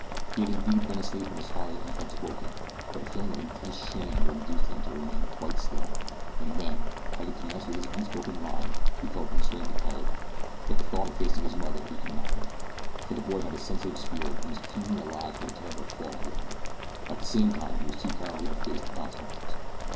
He had indeed been asleep when his father's entrance awoke him, but a feeling of intense shame had induced him to remain quite still, and then, having commenced with this unspoken lie, he felt constrained to carry it out. But the thought of facing his mother he could not bear, for the boy had a sensitive spirit and was keenly alive to the terrible fall he had made. At the same time he was too cowardly to face the consequences.